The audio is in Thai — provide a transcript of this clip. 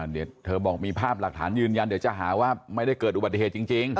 เดี๋ยวเธอบอกมีภาพหลักฐานยืนยันเดี๋ยวจะหาว่าไม่ได้เกิดอุบัติเหตุจริง